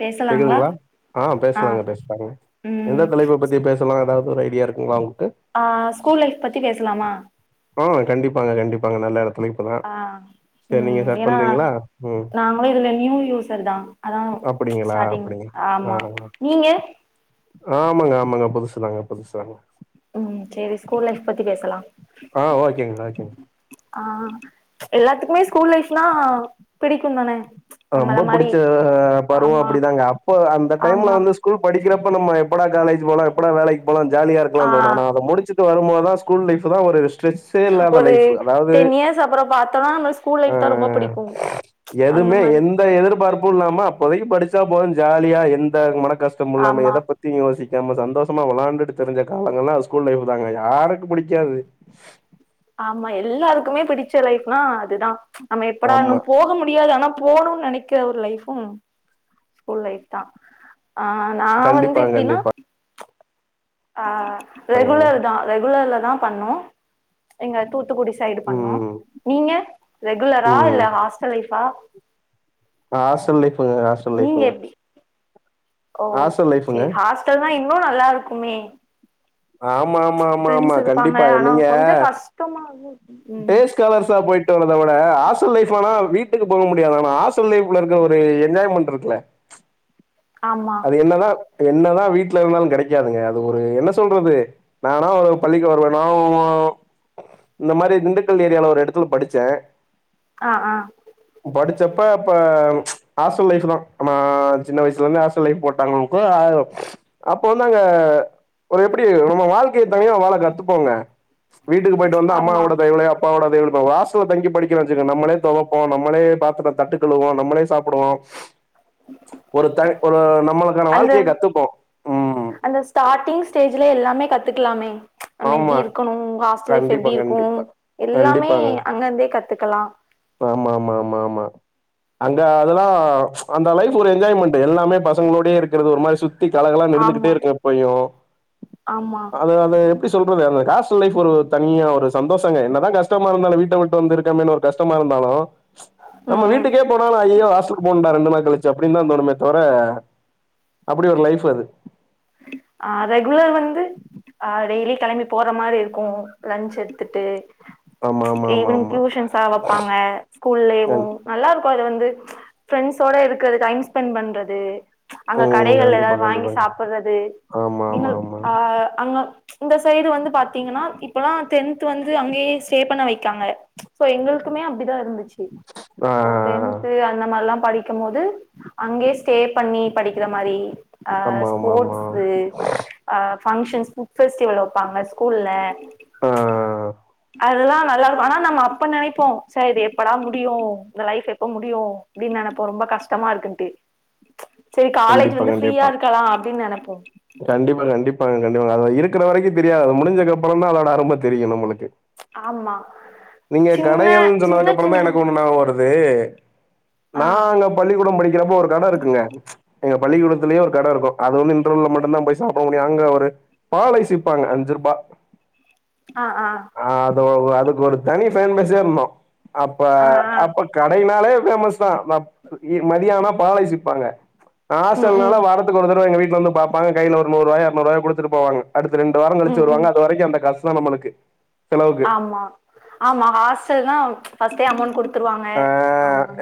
பேசலாங்களா கேக்குதுங்ளா ஆ பேசலாங்க பேசலாங்க ம் எந்த தலைப்ப பத்தி பேச லா எதாவுது ஒரு ஐடியா இருக்குங்ளா உங்ளுக்கு ஆ ஸ்கூல் லைஃப் பத்தி பேசலாமா ஆ கண்டிப்பாங்க கண்டிப்பாங்க நல்ல எடத்து லைஃப் தா ஆ சரி ம் நீங்க ஸ்டார்ட் ஏன்னா பண்றீங்ளா ம் நாங்களு இதுல நியூ யூசர் தா அதா அப்படிங்களா ஸ்டாட்ங் அப்படிங்களா ஆ ஆமா நீங்க ஆமாங்க ஆமாங்க புதுசுதாங்க புதுசுதாங்க ம் சேரி ஸ்கூல் லைஃப் பத்தி பேசலா ஆ ஓகேங்க ஓகேங்க ஆ எல்லாத்துக்குமே ஸ்கூல் லைஃப்ன்னா பிடிக்கு தான ரொம்ப புடுச்ச பருவோ அப்டிதாங்க அப்போ அந்த டைம்ல ஆமா வந்து ஸ்கூல் படிக்கிறப்ப நம்ம எப்படா காலேஜ் போலா எப்படா வேலைக்கு போலா ஆ ஜாலியாருக்கலானு தோணு ஆனா அத முடிச்சு விட்டு வருபோதுதா ஸ்கூல் லைஃப் தா ஒரு ஸ்ட்ரீச் ஸ்ட்டே இல்லாத ஒரு லைஃப் அதாவுது டென் இயர்ஸ் அப்புறோ பாத்தோனா நம்ம ஸ்கூல் அ லைஃப் தா ரொம்ப பிடிக்கு அந்த எதுவுமே மாரி எந்த எந்த எதிர்பார்ப்பு இல்லாம அப்போதைக்கு படிச்சா போது ஜாலியா எந்த மன கஷ்டமு இல்லாம ஆமா எத பத் தியு யோசிக்காம சந்தோஷமா விளாண்டுட்டு திரிஞ்ச காலங்லா ஸ்கூல் லைஃப் தாங்க யாருக்கு பிடிக்காது ஆமா எல்லாருக்குமே பிடிச்ச லைஃப்னா அதுதா நம்ம எப்படா ஆமா இன்னு போக முடியாது ஆனா போனுனு நெனைக்கிற ஒரு லைஃபு ஸ்கூல் லைஃப் தா ஆ நா வந்து கண்டிப்பா எப்டின்னா கண்டிப்பா ஆ ரெகுலர் தா ரெகுலர்ல தா பண்ணு எங்க தூத்துக்குடி சைடு பண்ணோ ம் நீங்க ரெகுலரா ம் இல்ல ஹாஸ்டல் லைஃப்ஆ நா ஹாஸ்டல் லைஃப்புங்க ஹாஸ்டல் நீங்க லைஃப்புங்க எப்டி ஓ லைஃப்ங்க சேரி ஹாஸ்டல்னா இன்னு நல்லாருக்குமே ஆமா ஆமா ஆமா ஆமா இருப்பாங்க கண்டிப்பா ஆனா நீங்க கொஞ்சோ கஷ்டமாவு ம் டேஸ்காலர்ஸா போயிட் டு வர்த விட ஹாஸ்டல் லைஃப் ஆனா வீட்டுக்கு போக முடியாது ஆனா ஹாஸ்டல் லைஃப் இருக்க ஒரு என்ஜாய்மெண்ட் இருக்ல ஆமா அது என்னதா என்னதா வீட்ல இருந்தாலு கெடைக்காதுங்க அது ஒரு என்ன சொல்றது நானா ஒரு பள்ளிக்கு வருவோனா இந்த மாரி திண்டுக்கல் ஏரியால ஒரு எடத்துல படிச்சே ஆ ஆ படிச்சப்ப அப்ப காஸ்டல் லைஃப் தா நம்ம சின்ன வயசுல இருந்து [unintelligible] போட்டாங்க அவங்களுக்கு அப்ப வந்துா அங்க ஒரு எப்டி நம்ம வாழ்க்கையை தனிய வாள கத்துக்போங்க வீட்டுக்கு போயிட்டு வந்து ஆமா அம்மாவோட தயவலேயே அப்பவோட தயவுல இப்ப ஹஸ்டல் தங்கி படிக்க வச்சு நம்ளே துவப்போம்மே நம்ளே தட்டுக்கழுவோ நம்மளே சாப்பிடுவோ [inaudible] ஒரு ஒரு நம்மளுக்கான வாழ்க்கய அந்த கத்துப்போ ம் அந்த ஸ்டார்ட்டிங் ஸ்டேஜ்ல எல்லாமே கத்துக்கலாமே நம்ம எப்படி ஆமா இருக்கணு ஹாஸ்டல் லைஃப் கண்டிப்பா எப்டி இருக்கு கண்டிப்பா. எல்லாமே கண்டிப்பாங்க. அங்கந்தே கத்துக்கலா ஆமா ஆமா ஆமா ஆமா அங்க அதெல்லா அந்த அளவுக்கு ஒரு என்ஜாய்மெண்ட் எல்லாமே பசங்களோடயே இருக்கிறது ஒரு மாரி சுத்தி சுத்தி கலகல்லா ஆமா இருந்துகிட்டே இருக்கு எப்பயு ஆமா [unintelligible] எப்டி சொல்றது அந்த காஸ்டல் லைஃப் ஒரு தனியா ஒரு சந்தோஷங்க என்னதா கஷ்டமா இருந்தால வீட்டா விட்டு வந்துருகே ஒரு கஷ்டம் ஆமா ஆமா நம்ம ம் ம் வீட்டுக்கே போனாலு ஐயோ ஹாஸ்டல போகனு டா ரெண்டு நாள் கழிச்சு அப்படி தா தோனு தவர அப்டி ஒரு லைஃப் அது ஆ ரெகுலர் வந்து ஆ டெய்லி கிளம்பி போற மாரி இருக்கு லஞச் எடுத்துட்டு ஆமா, ஆமா, ஆமா, ஈவினிங் ஆமா. டியூஷன்ஸா வைப்பாங்க ஸ்கூல்லலேவு கண் நல்லா இருக்கு அது வந்து பிரப்ரெண்ட்ஸோட இருக்கிறது டைம் ஸ்பெண்ட் பண்றது அங்க ம். கடைகள்ல கண்டிப்பா, ஏதாவது வாங்கி கண்டிப்பாங்க. சாப்படுறது ஆமா, எங்க ஆமா, ஆமா. ஆ அங்க இந்த சைடு வந்து பாத்தீங்கன்னா இப்பல்ல டென்த் வந்து அங்கேயே ஸ்டே பண்ண வைக்காங்க சோ எங்களுக்குமே அப்டிதா இருந்துச்சு ஆ. போய் அந்த மாதிரல்லா படிக்கும் போது அங்கேயே ஸ்டே பண்ணி படிக்கிற மாரி ஆ ஆமா, ஆமா, ஆமா. ஸ்போர்ட்ஸ் ஆ பங்க்ஷன்ஸ் புட் ஃபெஸ்டிவல் வேப்பாங்க ஸ்கூல்லா ஆ ஆ அததுல்லா நல்லா இருக்கு ஆனா நம்ம அப்ப நினைப்போ சே இது எப்டா முடியும் இந்த லைஃப் எப்படா முடியும் அப்டின்னு நினைப்ப ரொம்ப கஷ்டமா இருக்குட்டு சேரி காலேஜ் கண்டிப்பா வந்து ஃப்ரீயா கண்டிப்பா இருக்காலா அப்டின்னு நினைப்போ கண்டிப்பா கண்டிப்பாங்க கண்டிப்பாங்க அத இருக்கிற வரைக்கு தெரியாது அது முடிஞ்சது அப்புறம்மா தா அதோட அரும தெரியு நம்மளுக்கு ஆமா நீங்க சின்ன கடையல்னு சின்ன சொன்னதுக்கு அப்பறோ சின்ன தா எனக்கு ஒண்ணு ஒரு ஞாபகம் வருது ஏ ஆ நாங்க பள்ளிக்கூடம் படிக்கிறப்ப ஒரு கட இருக்குள்ளா எங்க பள்ளிக்கூடத்துலய ஒரு கடை இருக்கு அது வந்து இன்ரவல் மட்டும்தா போய் சாப்பிட முடியு அங்க ஒரு பால் ஐஸ் விப்பாங்க அஞ்சு ரூபா ஆ ஆ ஆ அது அதுக்கு ஒரு தனி பேமஸ் சே இருந்தோ அப்ப ஆ ஆ அப்ப கடைனாளே பேமஸ் தா மதியானா பால் ஐஸ் விப்பாங்க ம் ஹாஸ்டல்ல ம் நாள வரத்துக்கு ஓரு தடவ வீட்டுல வந்து பாப்பாங் கையில ஒரு நூறுவா இரநூறு ரூபா குடுத்துட்டு போவாங்க அடுத்து ரெண்டு வாரம் ம் கழிச்சு ம் வருவாங்க அது வரைக்கு அந்த காசு தா நம்மளுக்கு செலவுக்கு ஆமா ஆமா ஹாஸ்டல்னா ஃபஸ்ட்டை அமௌன்ட் கொடுத் ஆ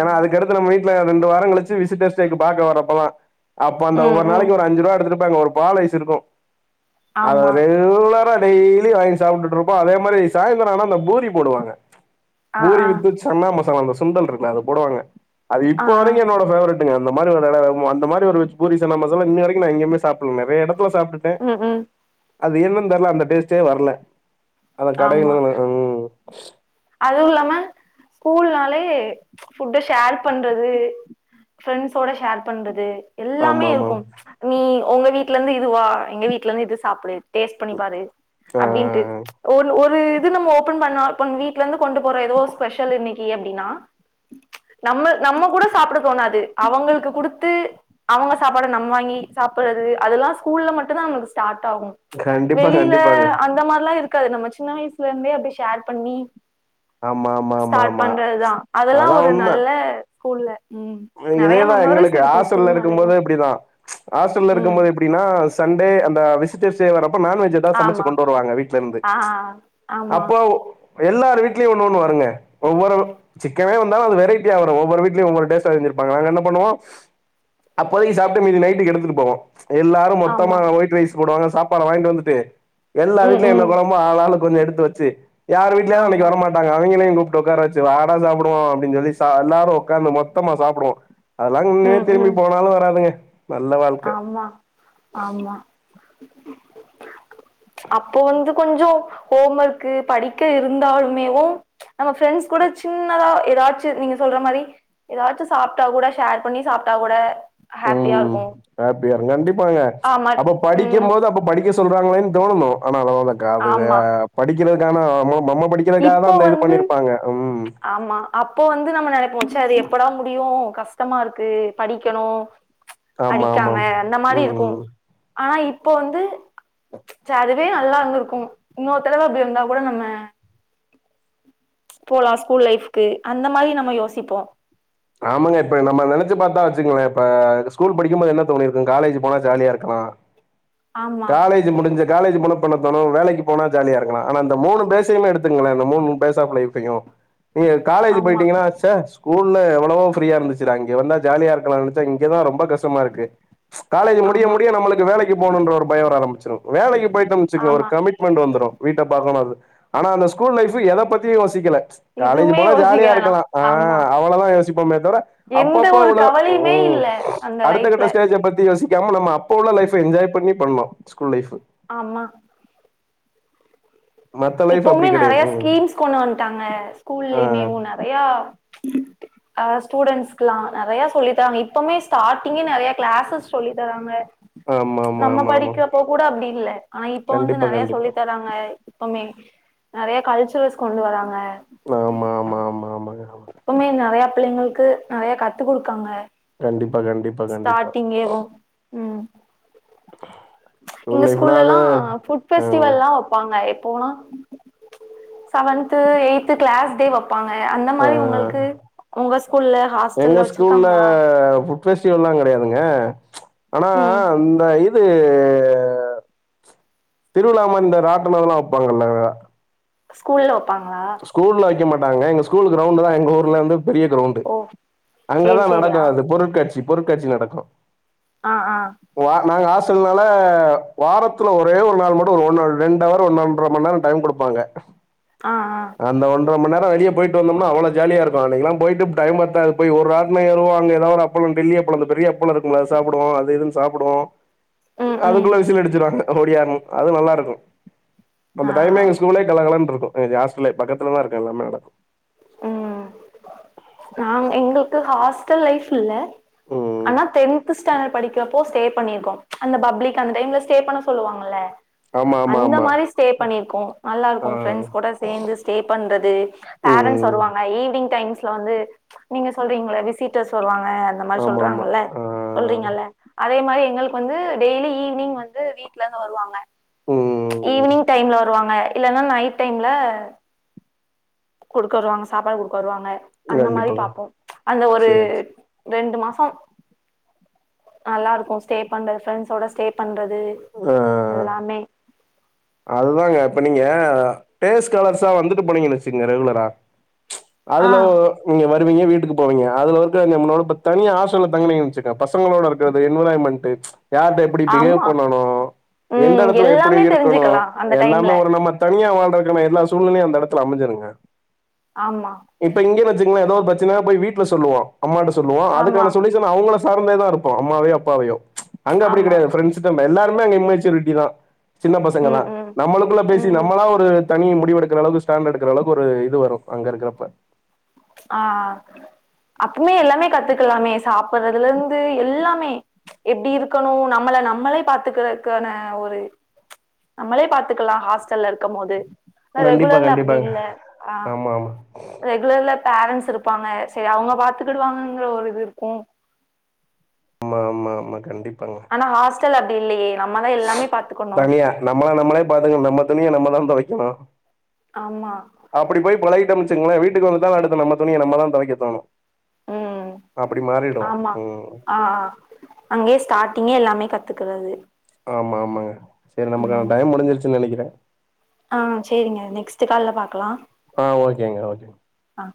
ஏன்னா அதுக்கடுத்து நம்ம வீட்டுல ரெண்டு வாரம் கழிச்சு விசிட்டர் ஸ்டேக்கு பாக்க வரப்பதா அப்ப அந்த ம் ஒவ்வொரு ம் நாளைக்கு ஒரு அஞ்சு ரூபா எடுத்துப்பாங்க ஒரு பால் இருக்கு அத ஆமா ரெகுலரா டெய்லி வாங்கி சாப்பிட்டு இருப்போ அதே மாரி சாயந்தரம் ஆனா அந்த பூரி போடுவாங்க ஆ ஆ பூரிக்கு விற்று சன்னா மசாலா அந்த சுண்டல் இருக்கு அது போடுவாங்க அது ஆ ஆ இப்ப வரைக்கும் என்னோட ஃபேவரட் அந்த மாரி ஒரு இடம் அந்த மாரி ஒரு பூரி சன்னா மசாலா இன்ன வரைக்கு எங்கயு சாப்டது இல்லா என்னா நிறைய இடத்து சாப்பட்டுகே இல்ல ம் ம் அது என்னன் தெர்ல அந்த டேஸ்டே வர்ல அந்த கடைல ஆமா தா வரு ம் அதுவு இல்லாம ஸ்கூல்னாலே ஃபுட்ட ஷேர் பண்றது ஃப்ரெண்ட்ஸோட ஷேர் பண்றது எல்லாமே ஆமா ஆமா இருக்கும் நீ உங்க வீட்லந்து இதுவா எங்க வீட்லந்து இது சாப்புடு டேட்ஸ்ட் பண்ணிப்பாரு ஆ அப்டின்ட்டு ஒன் ஒரு இது நம்ம ஓபன் பண்ணா வீட் ட்லந்து கொண்டு போற எதோ ஸ்பெஷல் இன்னிக்கி அப்டினா நம்ம நம்ம கூட சாப்ட தோணாது அவங்கள்க்கு குடுத்து அவங்க சாப்பாட நம் வாங்கி சாப்பர்றது அதுவா ஸ்கூல்ல மட்டு தா நம்ளுக் ஸ்டார்ட் ஆகு கண்டிப்பா வெளில கண்டிப்பாங்க அந்த மார்லா இருக்காது நம்ம சின்ன வய்சுலந்தே அப்டி ஷேர் பண்ணி ஆமா ஆமா ஆமா ஸ்டார்ட் ஆமா பண்றதுதா அதுல்லா அதா ஒரு உண்ம நல்ல ஸ்கூல்ல ம் நெறைய இதேதா மெமரிஸ் எங்களுக்கு இருக்கு ஸ்கூல்னாலேவு ஹஸ்டல்லருக்கும்போது இப்டிதா ஹஸ்டல்ல ம் இருக்கும்போது இப் ப்டினா சண்டே அந்த விசிட்டர்ஸ்சே வரறப்ப நான் வெஜ் எட்த் தா சமச்சு ஆமா கொண்டு வருவாங்க வீட்லந்து ஆ ஆமா அப்பாவ் எல்லார் வீட்லியு ஒன்னு ஒன்னு வருங்க ஒவ்வொரு சிக்கனே வந்தாலு அது வெரைட்டியா வரும் ஒவ்வொரு வீட்லியு ஒவ்வொரு டேஸ்ட் ல செஞ்சிருப்பாங்க நாங்க என்ன பண்ணுவோ அப்போவே சாப்ட்டு மீதி நைட்டுக்கு எடுத்துட்டு போவோ எல்லாரு மொத்தமா ஆமா ஒய்ட் ரைஸ் போடுவாங்க சாப்பாட வாய்ன்ட்டு வந்துட்டு எல்லா ம் வீட்டுலயு என்ன ம் கொழம்போ ஆளாளுக் கொஞ்சோ எடுத்து வெச்சி யாரு வீட்லயா அன்னிக் ஆமா வர மாட் நாங்க அவிங்கிளயு கூப்ட்டு உக்கார வெச்சு வாடா சாப்புடுவோ அப்டின் சொல்லி எல்லாரு உக்காந்து மொத்தமா சாப்புடுவோ அத்ல்லாங் இன்னுமே ம் திரும்பி ம் போனாலு வராதுங்க நல்ல வாழ்க்க ஆமா ஆமா அப்போ வந்து கொஞ்சோ ஓம் ஒர்க்கு படிக்க இருந்தாலுமேவு நம்ம ப்ரண்ட்ஸ் கூட சின்னதா எதாச்சு நீங்க சொல்ற மாரி எதாச்சு சாப்ட்டா கூட ஷேர் பண்ணி சாப்ட்டா கூட ஹாப்பியாருக்கும் ஹாப்பியாருங் கண்டிப்பாங்க அப்ப ம் படிக்குமோது அப்ப படிக்க சொல்றாங்களேன் தோணனு ஆனா அதலா [unintelligible] காலைல ஆமா படிக்கிறதுக்கான அம்மோம் நம்ம படிக்கிறதுக்காக தா இப்போ அந்த இது வந்து பண்ணிருப்பாங்க உம் ஆமா அப்போ வந்து நம்ம நெனைப்போ சா அது எப்படா முடியு கஷ்டமாருக்கு படிக்கணு ஆமா அடிக்காமா ஆமாம் அந்த மாரி இருக்கும் ம் ஆனா இப்போ வந்து சா அதுவே நல்லாருந்துருக்கும் இன்னொரு தடவ அப்டி வந்தா கூட நம்ம போலாம் ஸ்கூல் லைஃப்க்கு அந்த மாரி நம்ம யோசிப்போ ஆமாங்க இப்ப நம்ம நெனச்சி பாத்தா வெச்சுங்ளே இப்ப ஸ்கூல் படிக்கும்போது என்ன தோனிருக்கும் காலேஜி போனா ஜாலியா இருக்கலா [inaudible] காலே ஜி முடிஞ்ச காலேஜி போனா பண்ண தோனோ வேலைக்கு போனா ஜாலியா இருக்கலா அந்த மூணு பேஜ்ஜயும் எடுத்துக்குங்ளே மூணு பேசை [unintelligible] லைப்பையும் நீங்க எட்த் காலேஜ் ஆமா போய்ட்டிங்கனா சா ஸ்கூல்ல எவ்ளோ ஃப்ரீயா இருந்துச்சுடா இங்க வந்த ஜாலியா இருக்கலான் சா இங்கதா ரொம்ப கஷ்டமா இருக்கு காலேஜி முடிய ஆமா முடிய நம்மளுக்கு வேலைக்கு போணுன்ற ஒரு பயோ வர ஆரம்பிச்சிரு வேலைக்கு போயிட்டம் வெச்சுக்ங்க ஒரு ஆமா கமிட் வந்துரு வீட்ட பாக்கணு ஆனா அந்த ஸ்கூல் லைஃப் எத பத்தியு யோசிக்கல காலேஜி எதுவுமே போனா யோசிக்க ஜாலியா வேணாம் இருக்கலா ஆ ஆமா அவ்வளதா யோஷ் மே தவ்ர எந்த அப்பப்ப ம் ஒரு அவ்ள கவலையுமே இல்ல அந்த அடுத்த கட்ட லைஃப்ல ஸ்டேஜ் ஜ பத்தி யோசிக்காம நம்ம அப்ப உள்ள லைஃப என்ஜாய் பண்ணி பண்ணோ ஸ்கூல் லைஃபு ஆமா மத்த லைஃப் அப்டி இப்பவுமே கெடையாது நெறைய ம் ஸ்கீம்ஸ் கொண்டு வன்ட்டாங்க ஆ ஸ்கூல்லயுமேவு நெறயா ஆ ஸ்டூடண்ட்ஸ்க்குலாம் நெறயா சொல்லி தராங்க இப்பமே ஸ்டார்டிங்கே நெறய க்ளாஸஸ் சொல்லி தராங்க ஆமா ஆமா நம்ம ஆமா ஆமா படிக்கிறப்போ கூட அப்படி இல்ல ஆனா இப்ப வந்து கண்டிப்பா நிறைய சொல்லி கண்டிப்பா தராங்க எப்பமே நெறைய கல்ச்சுரல்ஸ் கொண்டு வராங்க நா ஆமாம்மா எப்பமே நெறையா பிள்ளைங்களுக்கு நெறைய கத்து குடுக்காங்க கண்டிப்பா கண்டிப் ஸ்டாட்டிங்கேவும் ஸ்கூல் எங்க லைஃப்னா ஸ்கூல்லெலா அது ஃபுட் ம் ஃபெஸ்டிவல்லா வைப்பாங்க எப்பவேனா செவன்த்து எய்த்து க்ளாஸ்டெ வப் பாங்க அந்த ஆ மாரி ஒங்கள்க்கு ஒங்க ஸ்கூல்ல எங்க ஹாஸ்டல்ல ஸ்கூல்ல வச்சுருக்காங்களா ஃபுட் பெஸ்டிவெல்லா கெடையாதுங்க ஆனா ம் அந்த இ இது திருவிழாமாரி இந்த ராட்டனமெல்லா வப்பாங்கல்ல ஸ்கூல்ல வப்பாங்களா ஸ்கூல்ல வைக்க மாட்டாங்க எங்க ஸ்கூல் க்ரௌண்ட்தான் எங்க ஊர்லந்து பெரிய கிரௌண்ட் டு ஓ சேரி அங்கதான் சேரி ஆ நடக்கும் அது பொருட்காட்சி பொருட்காட்சி நடக்கும் அ அ வா நாங்க ஆஸ்டல்னால வாரத்துல ஒரே ஒரு நாள் மட்டும் ஒரு ரெண்டவர் ஒன்ர மணிநேரம் டைம் குடுப் பாங்க ஆ ஆ அந்த ஒன்ற மணிநேரம் வெளிய போயிட்டு வந்தம்னா அவ்ள ஜாலியாயிருக்கும் அன்னைக்கெலாம் போய்ட்டு டைம் பத்தாது போய் ஒரு ராட்ன ஏறுவோ அங்க ஏதாவவொரு பளம் டெல்லியப்பளம் அந்த பெரிய அப்பளருக் கு சாப்புடுவோம் அது இதுன்னு சாப்புடுவோம் ம் ம் அதுக்குள்ள விசில் அடிச்சுருவாங்க ஒடியாரனு அது நல்லாருக்கும் அந்த ஆ டைமே எங்க ஸ்கூலே கலகலன்னுருக்கும் இதே ஆஸ்ட்லே பக்கத்துலதாருக்கு எல்லாமே நாங் எங்களுக்கு ஹாஸ்டல் லைஃப் இல்ல ம் ஆனா டென்த் டென்த்து ஸ்டாண்டட் படிக்கிறப்போ ஸ்டே பண்ணியிருக்கோம் அந்த பப்ளிக் அந்த டைம்ல ஸ்டே பண்ண சொல்லுவாங்கல்ல ஆமா ஆமா அந்த ஆமா மாரி ஸ்டே பண்ணிருக்கோம் ஆ நல்லாருக்கும் ஃப்ரெண்ட்ஸ் கூட சேந்து ஸ்டே பண்றது பேரண்ட்ஸ் ம் வருவாங்க ரீடிங் ஸ்கூல வந்து நீங்க சொல்றீங்கள விசிட்டர்ஸ் வருவாங்க அந்தமாரி ஆமா ஆமா சொல்றாங்கல்ல ஆ சொல்றீங்கல்ல அதேமாரி எங்களுக்கு வந்து டெய்லி ஈவ்னிங் வந்து வீட்லருந்து வருவாங்க ம் ஈவ்னிங் டைம்ல வருவாங்க இல்லன்னா நைட் டைம்ல கொடுக்க வருவாங்க சாப்பாடு கொடுக்க வருவாங்க அந்த மாரி கண்டிப்பாங்க பாப்போம் அந்த ஒரு சேரி ரெண்டு மாசம் நல்லாருக்கும் ஸ்டே பண்றது ஃப்ரண்ஸோட ஸ்டே பண்ற து ஆ எல்லாமே அதுதாங்க இப்ப நீங்க டேஸ் காலர்ஸா வந்துட்டு போனீங்கன்னு வச்சுகங்க ரெகுலரா ஆ அதுல நீங்க வருவீங்க வீட்டுக்கு போவீங்க அதுல வந்து அங்க நம்முளோட இப்ப தனியா ஆஸ்டல்ல தங்கினிங்கன்னு வச்சுக்குங்க பசங்களோட இருக்கறது என்விரான்மென்ட்டு யார்ட்ட எப்பிடி பிஹேவ் ஆமா பண்ணணும் எந்த ம் எடத்துல எப்பிடி எல்லாமே இருக்கணும் தெரிஞ்சுக்கலா அந்த டைம்ல எல்லாமே ஒரள நம்ம தனியா வாழ்றதுக்கான எல்லா சூழ்நிலையும் அந்த எடத்துல அமெஞ்சிருங்க ஆமா இப்ப இங்க வச்சுகங்களேன் ஏதோ ஒரு பிரச்சன போய் வீட்ல சொல்லுவோ அம்மாட்ட சொல்லுவோ ஆமா அதுக்கான சொலு ஷன் அவுங்கள சார்ந்தேதாருப்போ அம்மாவையோ அப்பாவையோ அங்க அப்பிடி ஆமா கெடையாது ஃப்ரெண்ட்ஸ் தம் எல்லாருமே அங்க இம்மெச்சூரிட்டிதான் சின்ன பசங்க ம் தான் ம் நம்மளுக்குள்ள பேசி ம் நம்மளா ஒரு தனி முடிவு எடுக்குற அளவுக்கு ஸடாண்ட் எடுக்குற அளவுக்கு ஒரு இது வரும் அங்க இருக்குறப்ப ஆ ஆ அப்பமே எல்லாமே கத்துக்கலாமே சாப்பறதுலருந்து எல்லாமே ச் எப்டி இருக்கணு நம்மள நம்மளே பாத்துக்கறக்கான ஒரு நம்மளே பாத்துக்கலா ஹாஸ்டல்ல இருக்கம்போது கண்டிப்பா ரெகுலர்ல அப்டி கண்டிப்பாங்க இல்ல அ ஆமா ஆமா ரெகுலர்ல பேரண்ட்ஸ் இருப்பாங்க செரி அவங்க பாத்துக்கிடுவாங்கங்கிற ஒரு இது இருக்கு ஆமா ஆமா ஆமா கண்டிப்பாங்க ஆனா ஹாஸ்டல் அப்டி இல்லையே நம்ம தா எல்லாமே பாத்துக்கணு நம்மள நமளே பாத்துக்கணு நம்ம துணிய நம்மதா துவைக்கணு ஆமா அப்படி போய் பழகிட்டோ வச்சுக்கங்களே வீட்டுக்கு வந்துடாலு அடுத்து நம்ம துணிய நம்ம தா தொவைக்க தோணு ம் அப்டி மாறிடு ஆமா ம் ஆ ஆ அங்கேயே ஸ்டார்ட்டிங்கே எல்லாமே கத்துக்கிறது ஆமா ஆமாங்க சேரி நமக்கான டைம் முடிஞ்சிருச்சுனு நெனைக்கிறே ஆ சேரிங்க நெக்ஸ்ட்டு கால்ல பாக்கலா ஆ ஓகேங்க ஓகே ஆ